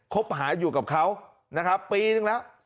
คบหาอยู่กับเขานะครับปีนึงแล้ว